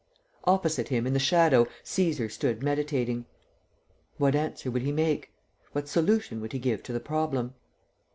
Opposite him, in the shadow, Cæsar stood meditating. What answer would he make? What solution would he give to the problem?